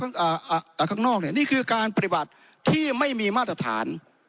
ข้างนอกเนี่ยนี่คือการปฏิบัติที่ไม่มีมาตรฐาน